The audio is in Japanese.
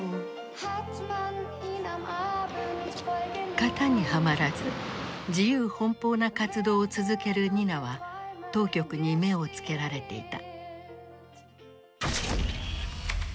型にはまらず自由奔放な活動を続けるニナは当局に目を付けられていた。